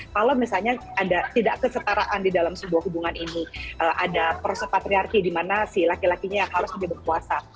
kalau misalnya ada tidak kesetaraan di dalam sebuah hubungan ini ada proses patriarki di mana si laki lakinya yang harusnya berpuasa